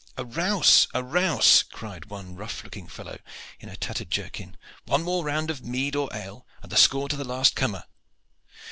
"A rouse! A rouse!" cried one rough looking fellow in a tattered jerkin. "One more round of mead or ale and the score to the last comer."